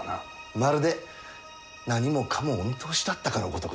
まるで何もかもお見通しだったかのごとくですなあ。